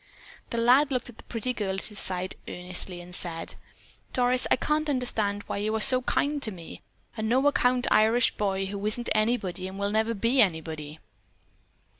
The lad looked at the pretty girl at his side and said earnestly: "Doris, I can't understand why you are so kind to me, a no account Irish boy who isn't anybody and never will be anybody."